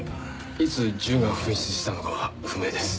いつ銃が紛失したのかは不明です。